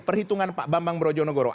perhitungan pak bambang brojonegoro